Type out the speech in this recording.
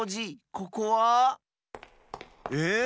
ここは？え？